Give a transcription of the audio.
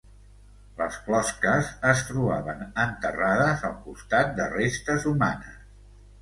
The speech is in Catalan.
Les closques es trobaven enterrades al costat de restes humanes.